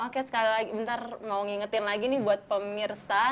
oke sekali lagi bentar mau ngingetin lagi nih buat pemirsa